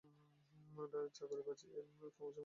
চাকরি বাঁচিয়ে চলা ক্রমেই মুশকিল হয়ে পড়ছে।